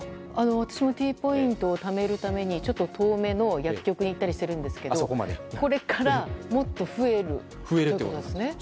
私もＴポイントを貯めるためにちょっと遠めの薬局に行ったりしているんですけどこれからもっと増えるということですね。